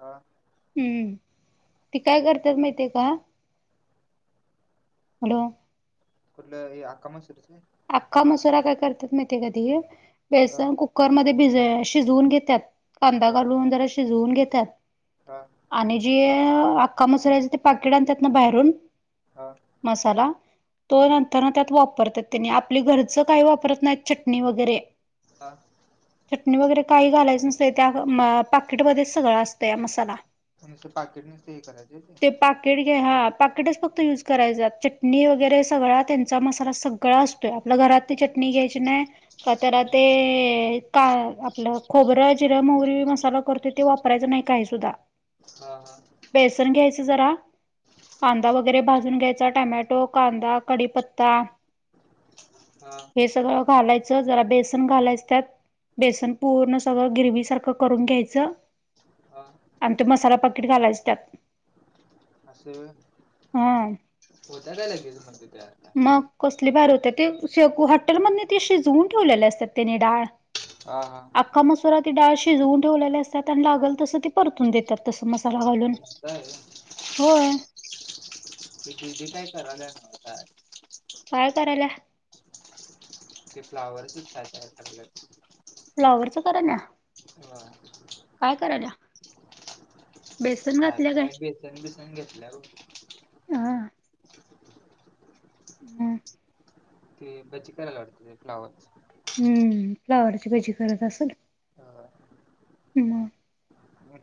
हा हम्म तेी काय करतात माहितीय का हॅलो कुठलं हकाम असरच आख्खा मसरा काय करतात म ते कधी हा बेसन क कुकर मध्ये भ शिजवून घेतात कांदा हा घालून जरा शिजवून घेतात हा आणि जे आक्का मसुरायच ते पाकिड आणतात ना बाहेरून हा मसाला तो नंतर ना त्यात वापरतात त्यांनी आपले घरचं काही वापरत नाहीत चटणी वगैरे हा चटणी वगैरे काही घालायचं नसते त्या पाकीटमध्येच सगळं असतं या मसाला पाकिटने ते हे कराचे ते पाट घ हा पाकिटच फक्त युज करायच चटणी वगैरे सगळा त्यांचा मसाला सग सकळा असतोय आपल्या घरात ते चटणी घ्यायची नाही कातला का आपलं खोबरं, जिरं, मोहरी, मसाला करत ते वापरायचं नाही काय सुद्धा हा बेसन घ्यायच जरा, कांदा वगैरे भाजून घ्यायचा टमॅटो, कांदा कडीपत्ता हा. हे सगळं घालायचं जरा बेसन घालायच त्यात. बेसन पूर्ण सगळं गिरवी सारखं करून घ्यायचं. हा. आणि त्यो मसाला पाकिट घालायच त्यात. अस होय हा होतंया का लगेज म्हणजे तयार काय? मग कसली भारी होतीया, ते हॉटेल मधनी ती शिजवून ठेवलेल्या असत्यात तेनी डाळ. हा हा. अख्ख मसुरा ते डाळ शीजवून ठेवलेल्या असत्यात आणि लागल तसं ते परतून देत्यात तस मसाला घालून असं आहे होय होय. ते दीदी काय करालिया न्हव काय? काय करालिया? ते फ्लावरच काय तर आय फ्लावर च करालिया? हा [unintelligible] संन बेसन बीसन घातल्या काय घेतल्या वो. हा हम्. ते बज्जी करायल्या वाटत ते फ्लावर च. हम्म, फ्लावरची भजी करत असल. हा. म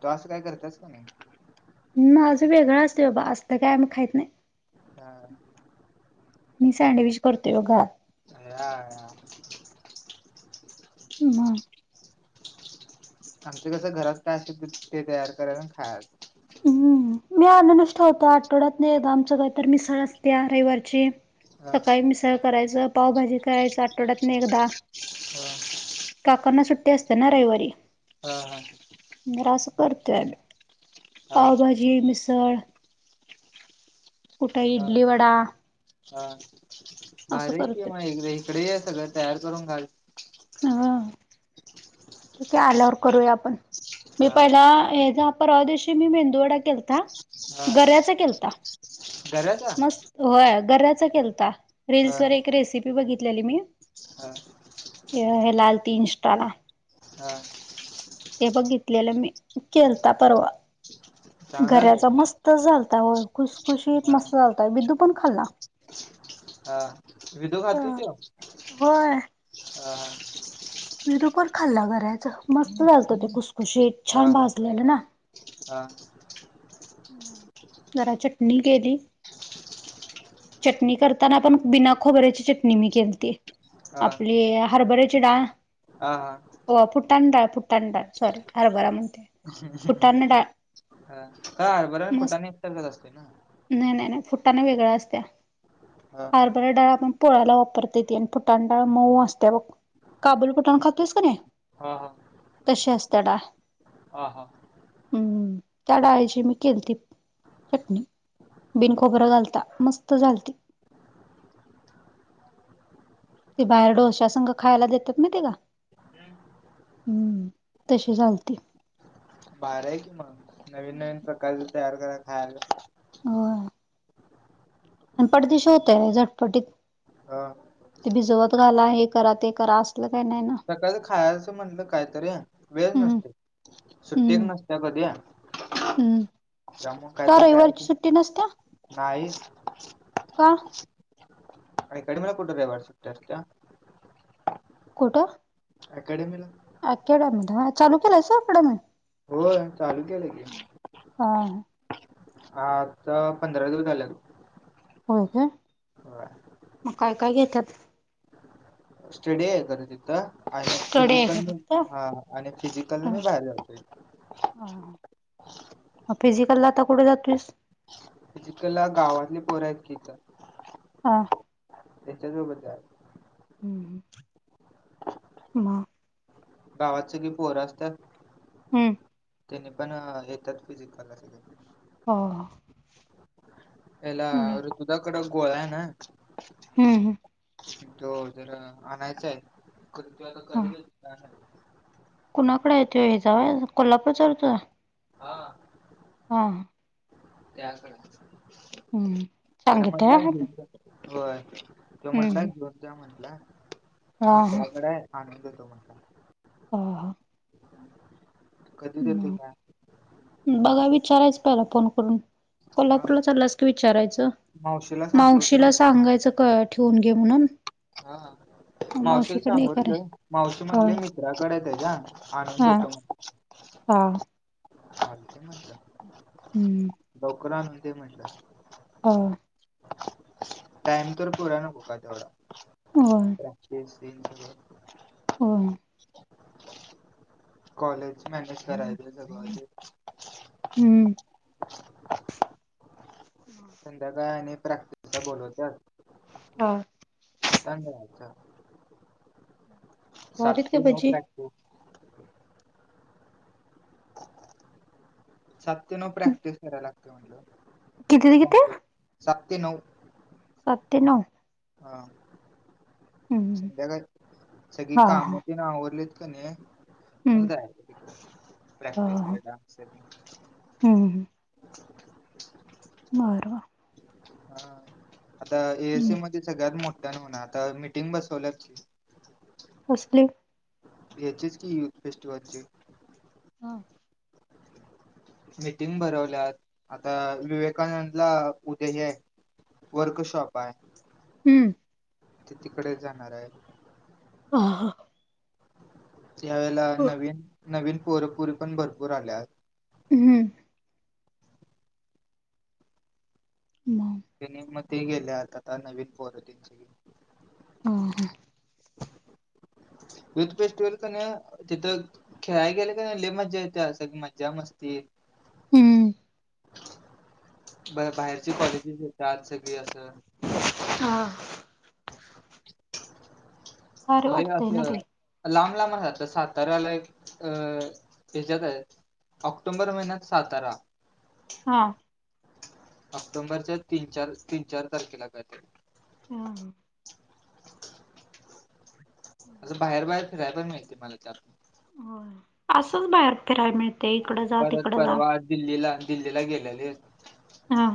तू असं काय करतियास का नाय? माज वेगळं असतंय बाबा अस काय आम्ही खाईत नाय. हा. मी सँडविच करतोय बघा. या या. म आमच कसं घरात काय असेल ते तयार करायच अन् खायाचं. हम्म, मी आणूनच ठेवतो आठवड्यातन एकदा आमचं काही तर मिसळ असत्या रयवारची. हा सकाळी मिसळ करायचं पावभाजी करायचं आठवड्यातन एकदा. हा काकांना सुट्टी असत्या ना रयवारी. हा हा. रास करतोय आम्ही हा पावभाजी, मिसळ कुठ हा इडली वडा हा असं भारी आय की करतोय. मग एकदा इकड ए सगळं तयार करून घाल. हा. ठीके आल्यावर करूया आपण मी हा पहिला हेजा परवा दिवशी मी मेंदूवडा केलता हा गऱ्याचा केलता गऱ्याचा मस्त होय गाऱ्याचा केलता हा रिल्सवर एक रेसिपी बघितल्याली मी हा. हेला आलती इन्स्टाला. हा. ते बघितल्यालं मी केलता परवा चांगला आलता गऱ्याचा का? म मस्त झालता वं खुसखुशीत हा मस्त चालतय बिदू पण खाल्ला. हा विदो खातो त्यो? हा विदु‌ पण खाल्ला घरायच मस्त झालतं ते खुसखुशीत छान भाजलेलं ना हं जरा चटणी केली चटणी करताना पण बिना खोबऱ्याची चटणी मी केलती. हा आपली हरभऱ्याची डाळ हा हा हो फुटाण डाळ फुटाण डाळ सॉरी हरभरा म्हणते. फुटाणा डाळ हा हरबरा मस्त फुटाणे एकच असते ना नाही नाही नाही फुट्टाना वेगळ्या असतया. हा बर डाळ आपण पोळायाला वापरते ती आणि फुटाण डाळ मऊ असते बघ काबूल फूटाण खातोयस का नाही? हा हा तशी असते डाळ. हा हा हम्म त्या डाळीची मी केलती चटणी, बिन खोबरं घालता, मस्त झालती. ते बाहेर डोस्या संग खायला देतात माहितीये का? [unintelligible] हम्म तशी झालती. बारा आहे कि मग नवीन नवीन प्रकारच तयार करा खायला होय आणि पट दी शी होतय झटपटीत. हं ते भिजवत घाला हे करा ते करा असल काही नाही ना? सकाळच खायचं म्हणलं कायतरी वेळ हम्म नसतोय. सुट्टीक हम्म नसत्या बध्या. हम्म ज मग का कायत रविवारची तयार सुट्टी नसत्या नाहीस. का? आणि कडमेळ कुठं रे वार सुट्या असत्या? कुठं? एकॅडमी ला. एकॅडमी, ध चालू केलायस एकॅडेमी? हो चालू केलंय की. हां हा आा आता पंधरा दिवस झालायात. होय का, मग काय काय घेत्यात? स्टडी आहे का रे तिथ? आणि स्टडी फिजिकल आहे का मी फक्त हा आणि फिजिकल मी बाहेर जातोय. हा हा म फिजिकल ला आता कुठे जातोस? फीजिकलला गावातली पोर आहेत की इथं. हां [unintelligible] हम्म म? गावात सगळी पोर असत्यात. हम्म. तेनी पण येतात फिजिकल स हो एला हम्म ऋतुदाकड गोळा आहे ना हम्म तो. जर तर तू ह आता कुणाकडे येतो हे कोल्हापूरचा [unintelligible] हा. हा. हम्म त्याकडे तुला सांगितलंय म्हटला हा घेऊन होय तो म्हटला हम्म घेऊन जा म्हटला हा हा मित्राकडे आहे. आणून देतो म्हणला. हो हो. कधी देतोय काय माहित. बघा विचारायचं पहिला फोन करून. हा कोल्हापूरला चालास की विचारायचं मावशीला सांगितलं मावशीला मी सांगायचं क ठेवून घे म्हणून. हा. मावशीला मावशीकडे हे कराय सांगितलो मावशी हा म्हणले मित्राकडे आहे त्याच्या आनंद हा देतो म [unintelligible] हा चालतय म्हटलं. हम्म. लवकर आणून दे म्हटल. हो. टाइम तर पूरा नको काय तेवढा. होय. [unintelligible] हो कॉलेज मॅनेज करायचंय सगळ ते हम्म. [inaudible] संध्याकाळी आणि प्रॅक्टिसला बोलवत्यात. हो. त्यामुळेच ह. सात भारीत की ते नऊ भजी प्रॅक्टिस. सात ते नऊ प्रॅक्टिस करायला लागते म्हटलं किती ते किती आता सात ते नऊ. सात ते नऊ. हा हम्म संध्याकाळी सगळी हा हा काम तेन आवरलेत कणी म हम्म जायच हा प्रॅक्टिसला हा डान्स तेन हम्म [inaudible] बर. हा आता एएसी हम्म मध्ये सगळ्यात मोठ्यानं होणार आता मीटिंग बसवल्यात. कसली.. ह्याचीच की युथ फेस्टिवलची. हा.. मीटिंग भरवल्यात आता विवेकानंदला उद्या हे आहे. वर्कशॉप आहे. हू... ती तिकडेच जाणार आहे. ह हा.... त्या वेळेला नवीन नवीन पोर पोरी पण भरपूर आल्यात. हू... [inaudible] [unintelligible] ह ह.. युथ फेस्टिवल कणी तिथं, खेळाय गेले कणी लई मज्जा येत्या अस मज्जा मस्ती. ह... ब बाहेरची कॉलेजेची बी येतात सगळी असं.. हा... भारी लई अस वाटतय ना ते लांब लांब राहतात साताऱ्याला एक अ हीच्यात आहेत ऑक्टोंबर महिन्यात सातारा. हा.. ऑक्टोबरच्या तीन, चार, तीन चार तारखेला काय तर. हा.. आस बाहेर, बाहेर फिरायला पण मिळते मला त्यातून. हा असंच बाहेर फिरायला मिळत परत परवा दिल्लीला दिल्लीला गेलेलेत. हा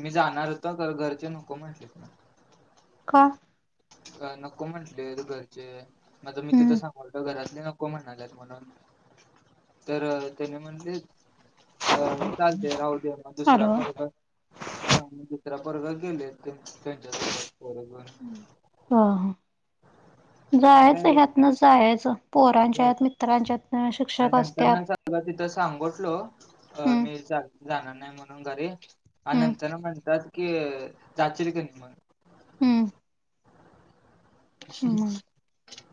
मी जाणार होतो. खर घरचे नको म्हटले. का? अ नको म्हटलेत घरचे मग मी तिथं हम्म सांग म्हणालो घरातले नको म्हणाल्यात म्हणून तर त्यांनी म्हंन लीत अ चालतय राहू दे म दुसरया हॅलो पोराल, हा दुसरा पोरगा गेले त्यांच्यासोबत बरोबर. ह आणि मी जायचं राहिलो ह्यात ना, जायचं बर पोरांच्यात मित्राच्यात. आणि नंतर ना स तिथं सांगोटलो हम्म मी जाणार नाही म्हणून घरी. आणि हम्म नंतर म्हणतात की जाशील कणी मग, हम्म.. हम्म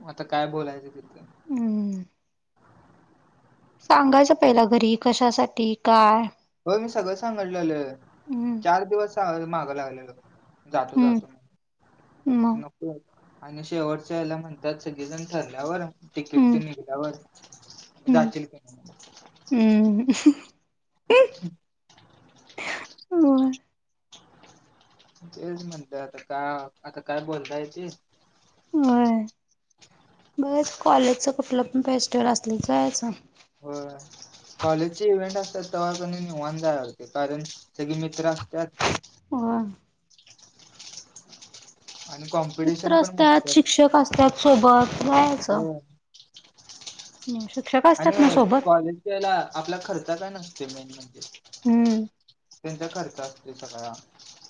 आता काय बोलयच तिथं. हम्म [inaudible] सांगायचं पहिला घरी कशासाठी काय. हो मी सगळं सांगितलेलं हम्म चार दिवस मागं लागलेलो. जातो, हम्म जातो मग नको. आणि शेवटच्या यायला म्हणतात सगळेजण ठरल्यावर तिकीट हम्म ते निघल्यावर हम्म जाशील कणी हम्म, होय हम्, तेच म्हणल आता का आता काय बोलतायते. होय गर्ल्स कॉलेजच कुठलं पण फेस्टिवल असल्याच याच. होय [inaudible] कॉलेजचे इव्हेंट असतात तेव्हा कणी निवांत जायला कारण सगळे मित्र असतात. होय. आणि मित्र कॉम्पिटिशन पण असत्यात मोठी शिक्षक असतात सोबत असते जायाचं. होय. आणि असतात ना सोबत कॉलेज यायला आपला खर्च काय नसते मेन म्हणजे. हम्म त्यांच्या खर्च असतय सगळा.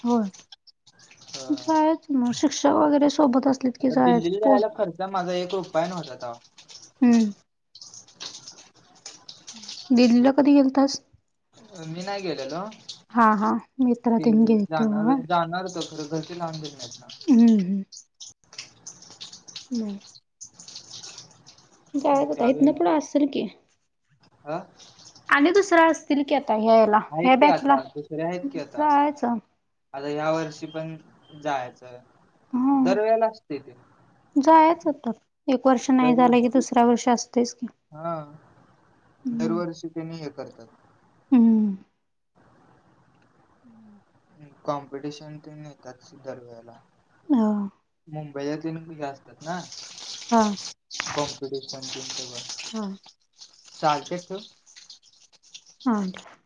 होय होय जायचं मग शिक्षक वगैरे सोबत अस''--'' आता दिल्लीला जायला खर्च माझा एक रुपया नव्हता तेवा. हम्म, दिल्लीला कधी गेलतास. ''मी नाही गेलेलो हा हा मित्र ते तेन गेलते जाणार होय जाणार होत. तर घरची लावून दिले नाहीत ना. हम हम, नाय. ना जायचं आता इथून पुढे त्यावेळेला असेल की, अ आणि दुसर असतील की, आता व्हा. आहेत की, आता दुसरे आहेत की, आता. जायचं आता या वर्षी पण जायचंय दरवेळेला असते ते. जायचं होता एक वर्ष नाही झालं दरवर्षी की, दुसऱ्या वर्ष असतेच की, हा, हम्म दरवर्षी त्यांनी हे करतात. हम्म, हम्म, कॉम्पिटिशन तेन येत्यात दरवेळेला. हो, मुंबई तन हो असतात ना हा कॉम्पिटिशन तन ते सगळं. हा, चालतंय ठेवू. हा, ठेव.